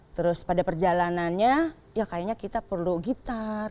terus pada perjalanannya ya kayaknya kita perlu gitar